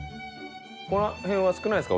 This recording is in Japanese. この辺は少ないですか？